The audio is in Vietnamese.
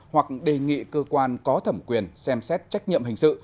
hoặc đề nghị cơ quan có thẩm quyền xem xét trách nhiệm hình sự